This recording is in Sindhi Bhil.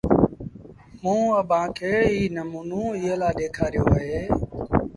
موٚنٚ اڀآنٚ کي ايٚ نموݩو ايٚئي لآ ڏيکآريو اهي